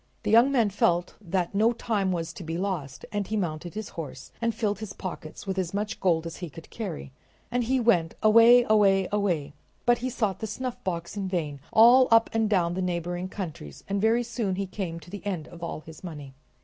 The young man felt that no time was to be lost, and he mounted his horse and filled his pockets with as much gold as he could carry. On he went, away, away, away, but he sought the snuffbox in vain all up and down the neighboring countries, and very soon he came to the end of all his money.